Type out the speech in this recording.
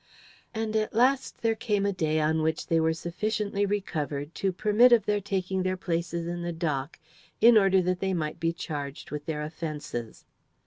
And at last there came a day on which they were sufficiently recovered to permit of their taking their places in the dock in order that they might be charged with their offences.